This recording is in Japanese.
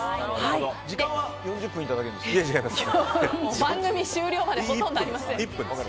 時間は４０分いただけるんですか？